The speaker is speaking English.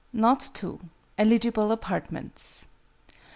KNOT II. ELIGIBLE APARTMENTS.